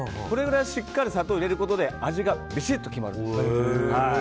これぐらいしっかり砂糖を入れることで味がびしっと決まるんです。